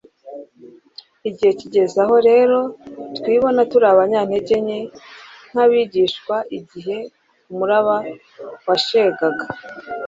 Igihe bigeze aho rero, twibona turi abanyantege nce nk'abigishwa igihe umuraba washegaga.